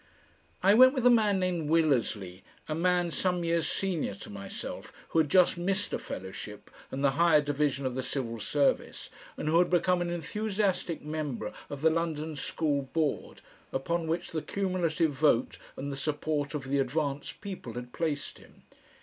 I went with a man named Willersley, a man some years senior to myself, who had just missed a fellowship and the higher division of the Civil Service, and who had become an enthusiastic member of the London School Board, upon which the cumulative vote and the support of the "advanced" people had placed him.